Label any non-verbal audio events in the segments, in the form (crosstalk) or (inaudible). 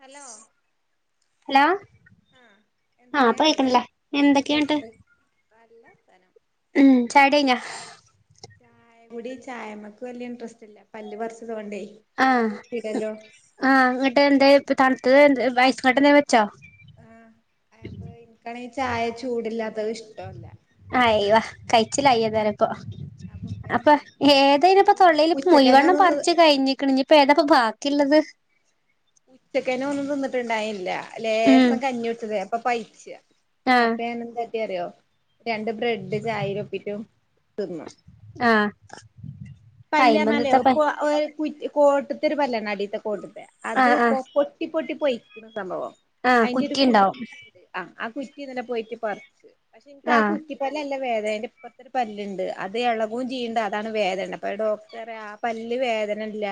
Hello hello ആഹ് എന്തൊക്കെ ആഇപ്പൊ കേൾക്കുന്നില്ലേ ഇപ്പൊ എന്തൊക്കെന്നട്ട് കേക്ക്ണ്ട് നല്ല വർത്താനം ഉം ചായ കുടി കഴിഞ്ഞോ ചായ കുടി ചായമ്മക്ക് വലിയ ഇൻട്രസ്റ്റ് ഇല്ല പല്ല് പഠിച്ചത് കൊണ്ട് ആഹ് ആഹ് എന്നിട്ട് എന്തെ തണുത്തത് എന്തെങ്കിഐസ് കട്ടെ എന്തെങ്കിലും വെച്ചോ വയസ്സങ്ങോട്ട്ന്ത വെച്ചോ ആഹ് അപ്പൊ എനിക്കാണെങ്കിൽ ചായ ചൂടില്ലാത്തത് ഇഷ്ടോല്ല ഐവാ കഴിച്ചിലായി ഏതായാലും അപ്പൊ അപ്പൊ അപ്പൊപ്പനെ ഏതേന് ഇപ്പൊ തൊള്ളീല് ഉച്ചക്കനെ മുയിവേണ്ണോം ഒന്ന് പറിച്ചു കഴിഞ്ഞിക്കുണ് നി ഇപ്പൊ ഏതാപ്പോ ബാക്കിള്ളത് ഉച്ചക്കെന്നെ ഒന്നും തിന്നിട്ടുണ്ടായില്ല ഉം ലേസം കഞ്ഞി കുടിച്ചതേര്ന്നു അപ്പൊ പൈച്ച ആഹ് അപ്പൊ ഞാൻ എന്ത് കാട്ടി അറിയോ രണ്ട് ബ്രെഡ്‌ ചായീൽ ഒപ്പീറ്റ് തിന്നു ആഹ് പല്ല് പറഞ്ഞലെയ്‌ അയിമന്തത്തപ്പ അതിപ്പോ കുറ്റി കോട്ടത്തൊരു പല്ലാണ് അഡീത്തെ കോട്ട് ത്തെ അത് ആഹ് പ്പൊ ആഹ് പൊട്ടി പൊട്ടി പൊയിക്കണ് സംഭവം ആഹ് അതിന്റെ ഒരു കുറ്റി ഇണ്ടാവും കുറ്റിണ്ട് ആ ആ കുറ്റി ഇന്നലെ പോയിട്ട് പറിച്ചു പക്ഷെ എനിക്ക് ആ ആഹ് കുറ്റി പല്ല് അല്ല വേദന അതിന്റെ ഇപ്പുറത്തു ഒരു പല്ലുണ്ട് അത് എളകും ചെയ്യുന്നുണ്ട് അതാണ് വേദന അപ്പൊ ഡോക്ടർ പറയാ ആ പല്ല് വേദന ഇല്ല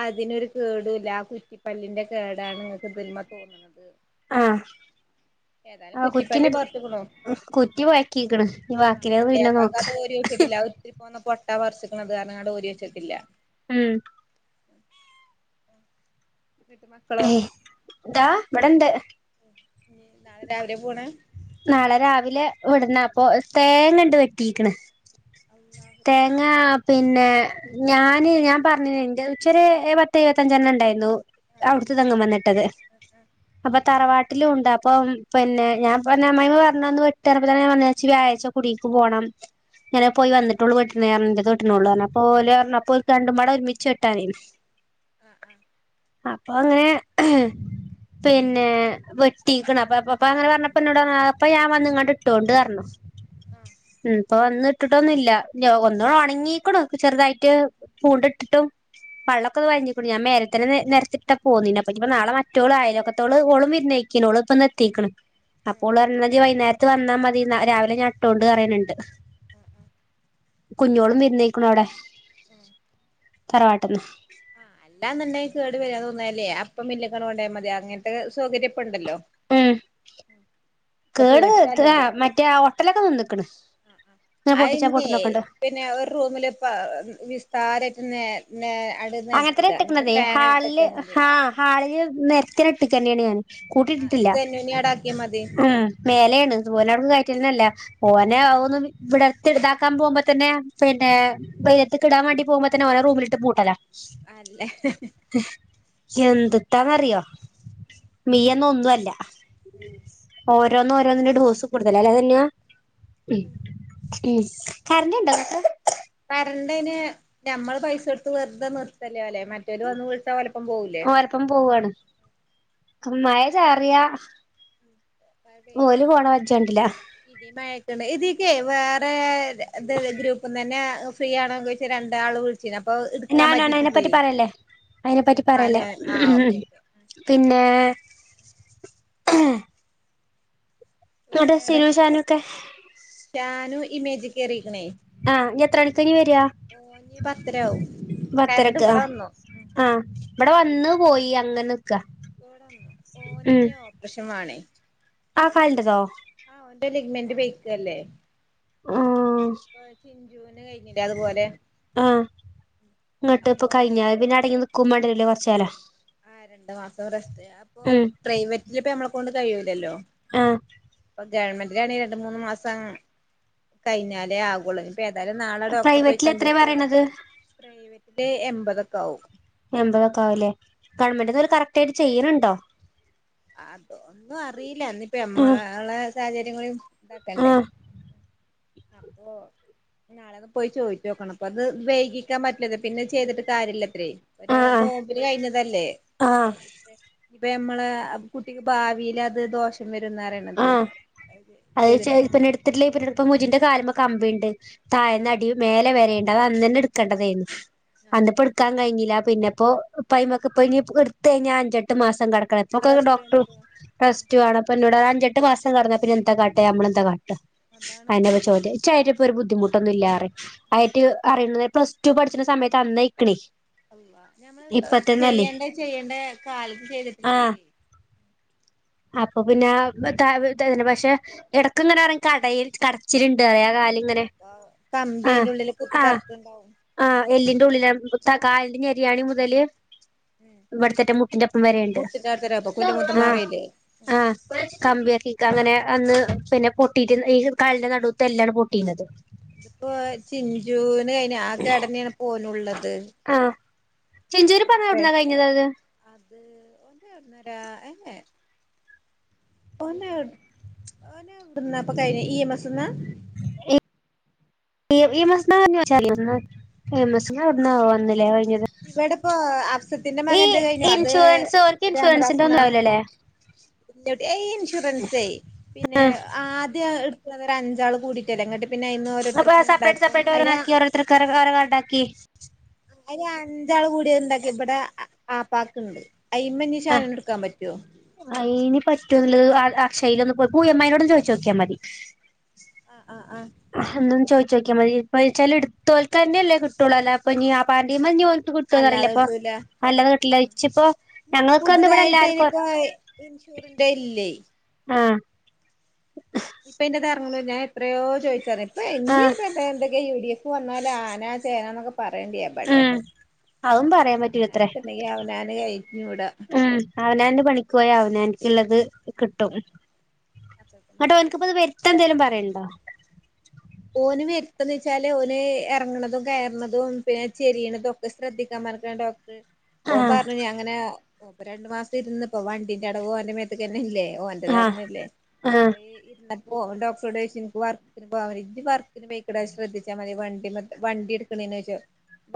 അതിനൊരു കേടും ഇല്ല ആ കുറ്റിപ്പല്ലിന്റെ കേടാണ് നിങ്ങൾക്ക് ഇതിൻമേ തോന്ന്ണത് ആഹ് ഏതായാലും ആഹ് കുറ്റി കുറ്റിപ്പല്ല് പറിച്ച്ക്ക്ണു ട്ട് പൊയ്ക്കീക്ക്ണ് നി ബാക്കില്ലാത് പിന്നെ നോക്ക എനിക്ക് അത് ഓരി വെച്ചിട്ടില്ല ഇത്തിരി പോന്ന പൊട്ട പറിച്ചുക്കണേ പറഞ്ഞുങ്ങാണ്ട് അത് ഓരി പോച്ചട്ടില്ല ഉം ന്നിട്ട് മക്കളോ ഏഹ് ഇതാ ഇവടെ ഉണ്ട് നാളെ രാവിലെ പോണ് നാളെ രാവിലെ വിടുന്ന അപ്പൊ തേങ്ങണ്ട് വെട്ടീക്ണ് അല്ലാഹു റബ്ബി തേങ്ങാ പിന്നെ ഞാന് ഞാൻ പറഞ്ഞിലെ ന്റെ ഇച്ചൊരു പത്ത് എഴപത്തഞ്ചെണ്ണം ഇണ്ടായിരുന്നു ആഹ് അവ്ട്ത്തെതെങ്ങിമ്മെന്ന് ഇട്ടത് അപ്പൊ തറവാട്ടിലും ഉണ്ട് അപ്പൊ ഉം പിന്നെ ഞാൻ പറഞ്ഞു അമ്മായിമ്മ പറഞ്ഞുന്ന് വെട്ടാ റഞ്ഞപ്പൊതന്നെ ഞാപറഞ്ഞ ച്ച് വ്യാഴ ച്ച കുടീക് പോണം ഇങ്ങനെ പോയി വന്നിട്ടുള്ളൂ വേട്ടണേ പറഞ്ഞു ഇന്റേത് വെട്ടുന്നുള്ളു റഞ്ഞു അപ്പൊ ഓല് പറഞ്ഞു അപ്പൊ ഓൽക്ക് രണ്ടും പാടെ ഒരുമിച്ച് വെട്ടാ നെന്നു ആഹ് ആഹ് അപ്പൊ അങ്ങനെ പിന്നെ വെ ട്ടീക്കണ് അപ്പൊ പ്പ പ്പ പ്പൊ അങ്ങനെ പറഞ്ഞ ഇനോട് റഞ്ഞു അപ്പൊ ഞാൻ വന്ന്ങ്ങാണ്ട് ഇട്ടോണ്ട് പറഞ്ഞു ആഹ് ഉം അപ്പൊ വന്ന് ഇട്ടിട്ടൊന്നുല്ല ല്ലൊ ഒന്നു ഒണങ്ങീക്ണ് ചെറുതായിട്ട് പുണ്ട്ട്ടിട്ടും വെള്ളൊക്കെന്ന് വലിഞ്ഞുക്കുണു ഞാൻ മേലെത്തന്നെ നെരത്തിട്ടാ പൊന്നീനെ അപ്പൊ നി പ്പോ മറ്റോൾ അയലോക്കത്തോൾ ഓളും വിരുന്ന് പൊയ് ക്യഞ്ഞു ഓൾ പ്പോ ഇന്ന് എത്തീക്ണ് അപ്പൊ ആഹ് ഓൾ പറഞ്ഞു ന്നാ ഇജ്ജ് വൈന്നാരത്ത് വന്നാ മതി രാവിലെ ഞാൻ ഇട്ടോണ്ട് പറണ് ണ്ട് കുഞ്ഞോളും വിരുന്ന് പൊയ്ക്ണ് അവിടെ ആഹ് തറവാട്ട്ന്ന് അല്ലെന്നുണ്ടെങ്കി കേട് വെരാ തോന്നിയാൽ അപ്പൊ മില്ലിക്കണ് കൊണ്ടയാമതി അങ്ങനത്തെ സൗകര്യം ഇപ്പൊ ഉണ്ടല്ലോ ഉം കേട് പേടിച്ചല്ലല്ലോ മറ്റേ ആ ഒട്ടലൊക്കെ നിന്ന് ക്ക്ണ് പൊട്ടിച്ച അയിന്നെ പൊട്ടുണൊക്കെ ഉണ്ട് പിന്നെ ഒരു റൂമിൽ ഇപ്പ വിസ്താരായിട്ട് നേ നേ അട് അങ്ങനെതന്ന നെലത്തിട എന്നിട്ട് ഇട്ട്ക്ക്ണതെ ഫാന് ഹാളിൽ ഇട്ടച്ചാ മതി ഹാ ഹാളിൽ നിരത്തിട്ട് ഇട്ട്ക്കെനെണ് ഞാൻ ആഹ് കൂട്ടിട്ടിട്ടില്ല ജനുവിനെ ആടാക്കിയാ മതി ഉം മേലെയാണ് ഒലെ അവിടുക് കയറ്റന്നെ ഇല്ല ഓനെ അഒന്ന് നി വിടെത്തി ട്താക്കാൻ പോവുമ്പൊത്തന്നെ പിന്നെ വെയിലത്തിക്ക് ഇടാൻ വേണ്ടി പോവുമ്പോ തന്നെ ഓനെ റൂമിൽ ഇട്ട് പൂട്ടലാ അല്ലേ എന്ത്ത്താന്ന് അറിയോ മിയന്നൊന്നുല്ല. ഓരോന്ന് ഓരോന്നിന്റെ ഡോസ് കൂടുതലാ അല്ലെ (unintelligible) ഉം കർണ്ടോ ഇങ്ങക്ക്? കർണ്ടന് ഞമ്മൾ പൈസകൊട്ത്ത് വെറ്തെ നിർത്തല്ലേ ഓലെ മറ്റ മറ്റോല് വന്ന് വിളിച്ചാ ഓലൊപ്പം പോകൂലേ? അപ്പം പോവാണ് മയചാറിയാ ണ്ട് കണ്ടില്ല ഇടി മഴക്കണ്ട് ഇതക്കെ വേറെ അത് ഗ്രൂപ്പ്ന്നെന്നേ ഫ്രീആണോന്ന് ചോയ്ച്ച് രണ്ടാള് വിളിചിനു അപ്പൊ എടുക്കാൻ ഞാനാണ് പറ്റിട്ടില്ലേ അതിനെപ്പറ്റി പറയല്ലേ അതിനെപ്പറ്റി പറയല്ലേ അല്ലെ ആഹ് ഓക്കെ ഓക്കെ പിന്നെ എവിടെ വേറെ സിലുസാനുക്കെ ഷാനു ഇമേജ് കേറീക്ക്ണേയ് ആഹ് ഇനി എത്രണിക്കയിഞ്ഞാ വെര്യാ? ഓന് പത്തരാവും കരണ്ട് പത്തരക്ക് ഇവടെ ആഹ് വന്നു. ഉം ആഹ് ഇവടെ വന്ന് പോയി അങ്ങനെ നിക്കാ ഉം ഓനിനി ഓപ്രഷൻ വാണേ ആ കാലിൻ്റെതോ? ആഹ് ഓന്റെ ലിഗ്മെന്റ് പൊയ്ക്കല്ലേ? ആഹ് ജൂന്റെ കഴിഞ്ഞിലേ അത്പോലെ. ആഹ് ങ്ങട്ട് പ്പൊകഴിഞ്ഞ യപിന്ന ടങ്ങിന്നിക്കുമാണ്ടരൂലെ കൊർച്ചാല ആഹ് രണ്ട് മാസം റെസ്റ്റ്, അപ്പൊ പ്രൈവറ്റില് ഇപ്പോ ഞമ്മളെ കൊണ്ട് കയ്യൂലല്ലോ. ആഹ് അപ്പൊ ഗവൺമെന്റിലണെങ്കി രണ്ട് മൂന്ന് മാസം കഴിഞ്ഞാലേ ആകൊള്ളൂ. പ്പ ഏതായാലും നാളെ ഡോക്ടറെ പോയി പ്രൈവറ്റിൽ എത്രയാ കണ്ടിട്ട്, പറയണത് പ്രൈവെറ്റില് എൺമ്പതൊക്കെ ആവും. എൺപതൊക്കെ ആവുംലേ. ഗവൺമെന്റിന്ന് ഓര് കറക്റ്റായിട്ട് ചെയ്യ്ണ്ണ്ണ്ടോ? അതൊന്നും അറിയില്ല. ഞ്ഞിപ്പോ ആഹ് ഞമ്മളെ സാഹചര്യം കൂടി ഇതാക്കണ്ടേ ആഹ് അപ്പോ ഇനി നാളൊന്ന് പോയി ചോയ്ചോക്കണം അപ്പത് വെയ്കിക്കാൻ പറ്റില്ലന്ന്, പിന്നെ ചെയ്തിട്ട് കാര്യല്ലാത്രേ. ഒര് ആഹ് നോമ്പിന് കയ്ഞ്ഞതല്ലേ, ആഹ് ഇപ്പോ ഞമ്മള് കുട്ടിക്ക് ഭാവിലത് ദോഷം വെരുംന്നറിയ ആഹ് അത് ചെൽപ്പണ് ട്ത്തിട്ടില്ലെങ്കി പിന്നീടിപ്പം മുജിന്റെ കാല്മ്മേ കമ്പിണ്ട്, ആ തായ്ന്നടിമേലെവെരേണ്ട്. അത് അന്നെന്നേ ഇട്ക്കണ്ടതേര്ന്നു അന്നപ്പോ ക്കാൻ കയ്ഞ്ഞിലാ, പിന്നെപ്പോ ഇപൈമക്പ്പോ ഇനിപ്പോ എട്ത്ത്കഴിഞ്ഞാ അഞ്ചെട്ട് മാസം കട ക്കണം. പ്പോക്കെ റെസ്റ്റ് ഡോക്ടർ വേണ്ടി വരും ആ റെസ്റ്റ് വേണം അപ്പന്നോട് അഞ്ചെട്ട് മാസം കട്ന്ന പിന്നെന്താ കാട്ടാ ഞമ്മളെന്താ കാട്ടാ ത അതാണ് അയെന്നെപ്പോ ചോദ്യംഇച്ചയിന്പ്പോ ഒര് ബുദ്ധിമുട്ടൊന്നുല്ലാറി. അയ്റ്റ് അറിയുന്നത് പ്ലസ് ടു പഠിച്ചുന്ന സമയത്ത് അന്ന്അയ്ക്ക്ണെയ്. അള്ളാഹ് ഞമ്മള് ചെയ്യണ്ടേ ചെയ്യേണ്ട കാലത്ത് ചെയ്തിട്ടില്ലെങ്കിലെയ് അപ്പൊപിന്നാ (unintelligible) പക്ഷെ എടക്ക്ങ്ങനെ റയിം കടയല് കടച്ചില്ണ്ട് അയേകാല് അപ്പോ കമ്പിയ്ന്റെ ഉള്ളില് കുത്തി ആഹ് തറക്ക്ണ്ടാവും. ആഹ് എല്ലിന്റെ ഉള്ളില് താ കാലിന്റെ ഞെരിയാണി മുതല് ഉം ഇവട്ത്തെറ്റം മുട്ടിന്റെപ്പം വെരെണ്ട്, മുട്ടിന്റെട്ത്തരെ അപ്പൊ കുഞ്ഞുമുത്തമ്മ ആഹ്, പറയില്ലേ ആഹ് കമ്പിയക്കിക്ക അങ്ങനെ അന്ന് പിന്നെ പൊട്ടിയിട്ട് ഈ കാലിന്റെ നടുവത്തെ എല്ലാണ് പൊട്ടീണത്. ത്പ്പോ ചിഞ്ചുന്അയ്ന് ആ കേടെന്നേണ് പോലുള്ളത്. ആഹ് ചിഞ്ചൂര് പറഞ്ഞ എവിടുന്നാ കഴിഞ്ഞത് അത് (unintelligible) (inaudible) ഓന് ഓനൊവ്ടന്ന അപ്പൊ കഴിഞ്ഞേ ഇ എം എസ് ന്നാ? ഇ എം എസ് എന്ന് പറഞ്ഞ് വച്ചാലെ (unintelligible) ഫേമസ് അവിടന്ന വന്നില്ലേ കഴിഞ്ഞത് ഇവിടെപ്പോ അഫ്സത്തിന്റെ ഈ മകന്റെ കഴിഞ്ഞു അത് ഇൻഷുറൻസ് ഇൻഷുറൻസിൻ്റെ ഒന്നുംവില്ലോല്ലേ യ് ഇൻഷുറൻസ് പിന്നെ ആഹ് ആദ്യം എടുക്ക ഒരു അഞ്ചാ ആൾ കൂടി ല്ലേഇന്നട്ട്പിന്നെ ഇന്ന് ഓരോത്തർക്ക് ഉണ്ടാക്കും അ എത്ര യാള് ആരാ ഉണ്ടാക്കി അയ്ല് അഞ്ചാൾ കൂടിയഇണ്ടാക്കി ഇവടെ ആപ്പാക്ക്ണ്ട് ആഹ് അയ്മെന്ന്ഷാനൂന് ഇട്ക്കാന്പറ്റോ? അയിന് പറ്റോന്നുള്ളത് അക്ഷയ്യില് ഒന്ന് പോയിപ്പോ പൂയംമാനോട് ചോദിച്ചു നോക്കിയാൽ മതി ആഹ് ആഹ് ആഹ് എന്നും ചോദി ചോക്കിയാ മതി ച്ചാല് എടുത്തോൽക്ക തന്നെയല്ലേ കിട്ടുള്ളൂ അല്ല അപ്പൊ നീ ആപ്പൻ്റെ മെ നീ ഓൻ കിട്ടുകാരല്ല അല്ലാതെ അപ്പൊ കിട്ടൂല നല്ലത കിട്ടില്ല ഇച്ചിപ്പോ ഇനി ഞങ്ങൾക്കെന്ന് ഇവിടെ പുതുതായിട്ട് എല്ലാർക്കും അയിനിപ്പോ ഇൻഷൂറിന്റെ ഇല്ലേ ആഹ് ഇപ്പൊ എന്റെ തറങ്ങുണു എത്രയോ ചോദിച്ചാ ഇപ്പ ഇനി ആഹ് ഇപ്പ എന്ത എന്തൊക്ക യു ഡി എഫ് വന്നാല് ആനാ ചേന എന്നൊക്കെ പറയേണ്ടി എബടെ ഉം അതും പറയാൻ പറ്റൂലത്രേ അവനാനിട്ടുുന്നെങ്കി അവനാന് കഴിഞ്ഞുൂട അവനാനന് പണിക്ക് പോയാ അവനാനിക്കിള്ളത് കിട്ടും അത്രതന്നെ ഇന്ന ഒള്ളൂ ട്ടൊന് ക്ക്പ്പത് വര് ഇറ്റ എന്തേലും പറയല്ണ്ടോ ഓന് വരുത്തന്ന് വെച്ചാല് ഓന് ഇറങ്ങണതും കയറുന്നതും പിന്നെ ചെരിയണതും ഒക്കെ ശ്രദ്ധിക്കാൻ പറഞ്ഞക്കാണ് ഡോ ഓ ആഹ് പറഞ്ഞു ഞാങ്ങനെ രണ്ടു മാസം ഇരുന്ന് ഇപ്പൊ വണ്ടിന്റെ അടവ് ഓൻ്റെ ന്നെ ഇല്ലേ ആഹ് ഓൻ്റെതന്നെല്ലേ ആഹ് അപ്പൊ ഇ ഓ ഡോക്ടറോട് ചോദിച്ചു നിക്ക് വർക്കിന് പോവ ജ് വർക്കിന് പോയിക്കടാ ശ്രദ്ധിച്ചാൽ മതി വണ്ടി വണ്ടി എടുക്കണേ വെച്ചോ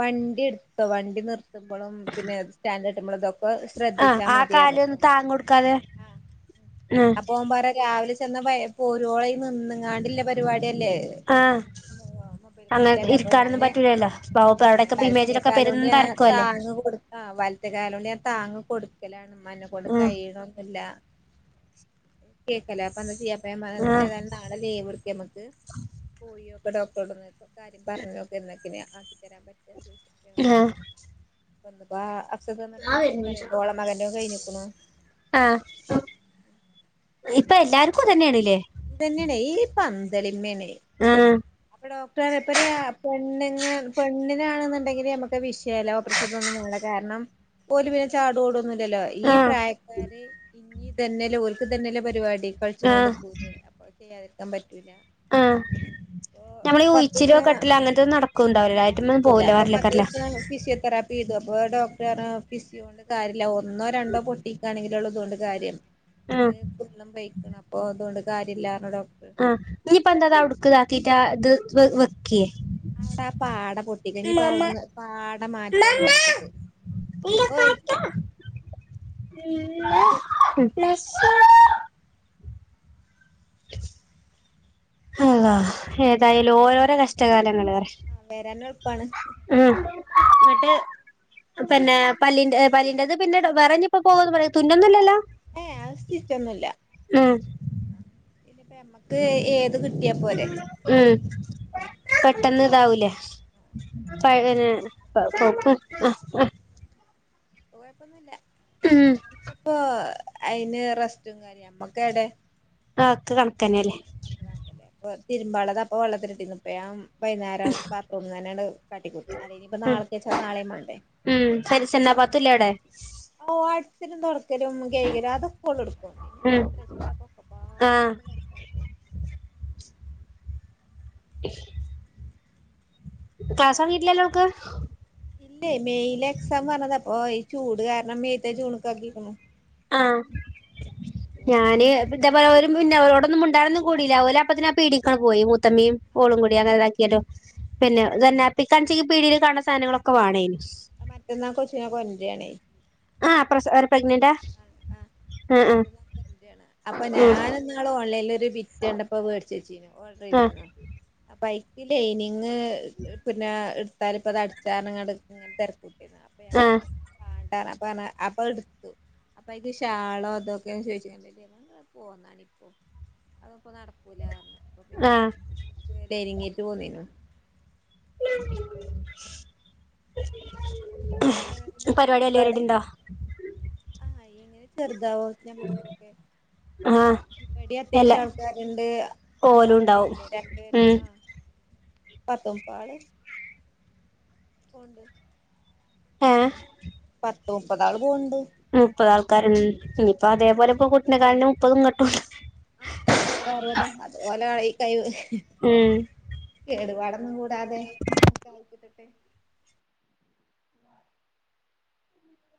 വണ്ടി എടുത്തോ വണ്ടി നിർത്തുമ്പോഴും പിന്നെ സ്റ്റാൻഡട്ടുമ്പോഴ അതൊക്കെ ആഹ് ശ്രദ്ധിച്ചാ ആ മതി റ കാല് ഒന്ന് ഞ്ഞ്ത്ണ് താങ്ങൊടുക്കാതെ ആ ആഹ് അപ്പോ ഓപറ രാവിലെ ചെന്നാ പോ രോളം നിന്ന്ങ്ങാണ്ടില്ല പരിപാടി അല്ലേ ആഹ് ഓ മൊബൈൽ അങ്ങനെ കടയിലല്ലേ അപ്പൊ ഇരിക്കാനൊന്നും ഞാന് പറ്റൂലല്ലോ ഏ പാവപ്പെ അവിടെക്കെ ഇപ്പ ഇമേജിലൊക്കെ വലത്തേക്കാല കൊണ്ട് ഞൻ പെരുന്തരക്കല്ലേ താങ്ങങ് കൊടു ആ വലത്തെ കാലുകൊണ്ട്ഞാൻ താങ്ങ് കൊടുക്കലാണ് ഇമ്മ എന്നെ കൊണ്ട് ഉം കഴി യൊണന്നില്ലാ കേക്കല്ല അപ്പൊ എന്താ ചെയ്യപ്പ ആഹ് ഏതായാലും നാളെ ലീവ് എടുക്ക് നമ്മക്ക് പോയോ ക്ക് ഡോക്ടറോടട് ഒന്ന് കാര്യം പറഞ്ഞോക്ക് എന്നൊക്കിനെ ആക്കിത്തരാൻ പറ്റ ആഹ് ഇന്നിപ്പാ അഫ്സത്ത് ഇന്ന് ഓള് ചിത്ത പറയണ്ട് ഓളെമകൻ്റെ തും കഴിഞ്ഞിക്കണോ ആ ഇപ്പൊ എല്ലാർക്കും ഇതന്നെണല്ലേ ഇതന്നെണ് ഈ പന്തളിമ്മേണ് ആഹ് അപ്പൊ ഡോക്ടർ പറയാ ഇപ്പ പെണ്ണ പെണ്ണിനാണെന്നുണ്ടെങ്കില് നമ്മുക്ക് വിഷയല്ല പ്രഷറുള്ള കാരണം ഓല് പിന്നെ ചാടി ഓടൊന്നില്ലല്ലോ ഈ ആഹ് പ്രായക്കാര് ഇനി തന്നല്ലോ ഓൽക്ക് തന്നെയല്ലോ പരിപാടി കളിച്ചും കൊണ്ട് ആഹ് നിക്കുലേ അപ്പൊ അത്ചെയ്യാതിക്കാൻ പറ്റൂല ആഹ് അപ്പൊ നമ്മള് ഈഴിച്ചിലോ പത്തീസം കെട്ടലോ അങ്ങനത്തെ ഒന്നും ആഹ് നടക്കുണ്ടാവലല്ലോ അ അത് തെറ്റ് ഒന്നും നടക്കൂല പോവുലേ അപ്പൊ ക്കാരുല്ലേ പത്തീസം ഫിസിയോതെറാപ്പി ചെയ്തു അപ്പൊ ഡോക്ടർ ഫിസിയോണ്ട് കാര്യല്ലാ ഒന്നോ രണ്ടോ പൊട്ടിക്കാണെങ്കില ഉള്ളതുകൊണ്ട് കാര്യം ആഹ് ഇത് വെള്ളം പെയ്ക്ക് ണ് അപ്പൊ അതുകൊണ്ട് കാര്യല്ലാന്ന് ഡോക്ടർ ആ ഇനിയിപ്പ എന്താതാ ഉടുക്ക്ത ആക്കീട്ടാ ഇത് വെക്ക്യേ അവിടെ ആ പാട പൊട്ടിക്ക ഇന്നിപ്പ അവിടുന്ന് പാട മാറ്റാണ് വാണ്ടത് ഇല്ലപ്പാ (unintelligible) അള്ളാ ഏതായാലും ഓരോരോ കഷ്ടകാലങ്ങൾ വറെ വരാനെ ളുപ്പാണ് ആഹ് എന്നിട്ട് പന്നെ പല്ലിന്റെ പല്ലിന്റേത് പിന്നെ വെറെ ഞ്ഞ് ഇപ്പ പോകൊന്ന് പറയാ തുന്നൊന്നും ഇല്ലല്ലോ ഏയ് ആഹ് സ്റ്റിച്ചൊന്നുല്ല്യ ഉം ഇല്ലപ്പ നമ്മക്ക് ഏത് കിട്ടിയാ പോരെ ഉം പെട്ടെന്ന് ഇതാവൂലേ അതാണ് പഴേ (unintelligible) കോയപ്പൊന്നുംല്ല ഉം ഇപ്പപ്പോ അയിന് റെസ്റ്റും കാര്യം നമ്മക്കെ ഏടെ ആക്ക് കണക്കന്നെ അല്ലേ കൊഴപ്പല്ല്യ തിരുമ്പാളളത് അപ്പൊ വെള്ളത്തിലിട്ടീന്ന് ഇപ്പ ഞാം വൈന്നേരം ബാത്റൂമിൽ തന്നെ യാണ്ട് കാട്ടിക്കൂട്ടി അല്ലെ ഇനിയിപ്പ ഉം നാളെ ച്ചാ നാളെയും വാണ്ടേ ഉം സരിസെന്നാ പാത്തൊല്ലേ അടെ ഓ ആട്ച്ചലും തൊടക്കലും കൈകലും അതൊക്കെ ഓള് എട്ക്കും ഇനിപ്പ ഉം എത്രേച്ച്ട്ടാ പ്പൊ ഒക്കെ പ്പാടെ ആഹ് ണ്ട് തകാ ഇഷ് ക്ലാസ്സ് തൊടങ്ങീട്ടില്ലല്ലോൾക്ക് ഇല്ലേ മെയ്ല് എക്സാം പറഞ്ഞത് അപ്പൊ ഈ ചൂട് കാരണം മെയ്ത്തെ ജൂണ്ക്കാക്കീക്കുണു ആഹ് ഞാന് ജൂണിലേക്കാരം അത് ഇതേപോലെ ഓര് മുന്നെ ഓരോടൊന്നും മുണ്ടാനൊന്നും കൂടീല്ല ഓല് അപ്പതന്നെ ആ പീടിക്കാണ്ട് പോയി മൂ ത്തമ്മയും ഓളും ആഹ് കൂടിയ് അങ്ങനെതാക്കിയാണ്ട് പിന്നെതന്നെ ആഹ് പികാഞ്ചി പീടീയിൽ കാണ് ണ സാധനങ്ങളൊ ക്കെ വാണേം മറ്റന്നാ കൊച്ച്നെ കൊണ്ടരാണേ ആ പ്രസ് ഒര് പ്രഗ്നന്റാ ആഹ് ആഹ് ആഹ് മറ്റന്ന കൊണ്ടൊരാ അപ്പൊ ആഹ് ഞാനൊന്ന് ന്നാള് ഓൺലൈനിൽ ഒരു ബിറ്റ് കണ്ടപ്പോ മേടിച്ച് വെച്ചീന്നു ഓർഡർ ആഹ് ചെയ്തീന്നു അപ്പൊ അയ് ഈ ലൈനിങ് പിന്നെ എടുത്താൽ ഇപ്പ അത് അടിച്ചാറഞ്ഞ്ങ്ങാണ്ട് ഇങ്ങനെ തെരക്ക് കൂട്ടിയതാ അപ്പ ഞാന് ആഹ് പറഞ്ഞു മാണ്ട അപ്പൊ പറഞ്ഞു അപ്പ അത് എടുത്തു അപ്പൊ അയ്ക്ക് ഷാളോ അതൊക്കെന്ന് ചോദിച്ച്കാണ്ട് പോന്നാണിപ്പോ അത്പ്പൊ നടക്കൂലാർഞ്ഞ് അപ്പൊ പിന്നെ ആഹ് ലൈനിങ്ങെറ്റ് പോന്നീനു എന്താ മഴ ഇണ്ടോ അവിടെ പരിപാടില്ലാരിടീം ണ്ടാ ആഹ് എങ്ങനെ ചെറുതാവോ ഞമ്മക്കൊക്കെ ആഹ് ഇവടേം എല്ലാ അത്യാവശ്യം ആൾക്കാരുണ്ട് ഓലും ഉണ്ടാവും അവിടെയില്ലേ രണ്ട്പേരേം ഉം പത്തുംമുപ്പാള് പോണ്ട് ഏഹ് പത്ത് മുപ്പതാള് പോവ്ണ്ട് മുപ്പത് ആൾക്കാര് ഇനിയിപ്പ അതേപോലെ ഇപ്പ കുട്ടിനെ ക്കാണാ മുപ്പത്ങ്ങട്ടും ആഹ്തോ അതുപോലെ ഈ കഴ് ഉം കേടുപാടൊന്നും കൂ ടാതെ അതെ ഒക്കെ കയിഞ്ഞിട്ടട്ടെ